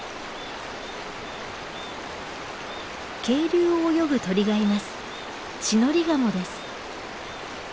渓流を泳ぐ鳥がいます。